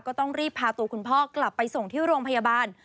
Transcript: ก็ต้องรีบพาตัวคุณพ่อกลับไปส่งที่โรงพยาบาล